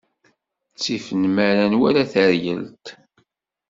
Ttif nnmara wala taryalt.